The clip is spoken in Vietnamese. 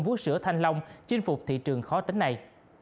vú sữa thanh long chinh phục thị trường khó tính này